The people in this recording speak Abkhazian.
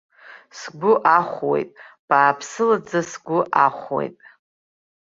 Сгәы ахәуеит, бааԥсылаӡа сгәы ахәуеит.